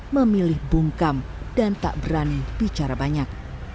memilih bungkam dan tak berani bicara banyak